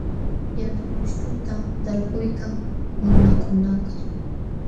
Yana pushtutam talpuykan nunakunakaq.